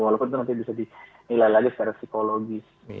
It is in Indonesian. walaupun itu nanti bisa dinilai lagi secara psikologis